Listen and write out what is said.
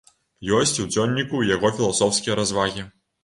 Ёсць у дзённіку і яго філасофскія развагі.